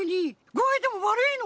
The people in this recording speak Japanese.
ぐあいでもわるいの？